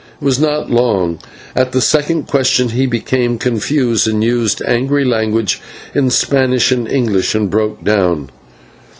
It was not long. At the second question he became confused, used angry language in Spanish and English, and broke down.